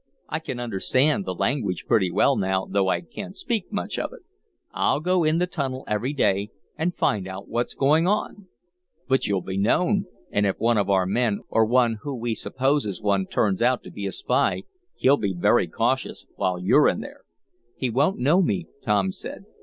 "I can understand the language pretty well now, though I can't speak much of it. I'll go in the tunnel every day and find out what's going on." "But you'll be known, and if one of our men, or one who we suppose is one, turns out to be a spy, he'll be very cautious while you're in there." "He won't know me," Tom said.